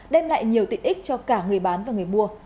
đem lại nhiều tiện ích cho cả người bán và người mua